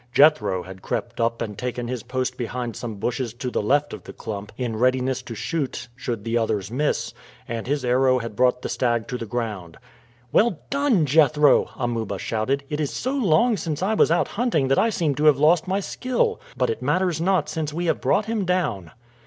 Jethro had crept up and taken his post behind some bushes to the left of the clump in readiness to shoot should the others miss, and his arrow had brought the stag to the ground. "Well done, Jethro!" Amuba shouted. "It is so long since I was out hunting that I seem to have lost my skill; but it matters not since we have brought him down."